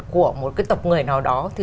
của một cái tộc người nào đó thì